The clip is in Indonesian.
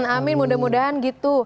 amin mudah mudahan gitu